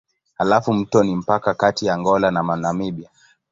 Halafu mto ni mpaka kati ya Angola na Namibia.